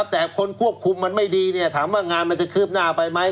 แต่คนควบคุมมันไม่ดีถามว่างานมันจะคืบหน้าไปไหม